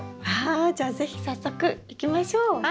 わじゃあ是非早速行きましょう。